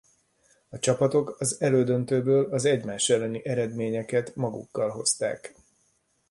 A csapatok az elődöntőből az egymás elleni eredményeket magukkal hozták.